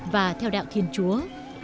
và theo đạo thiên chúa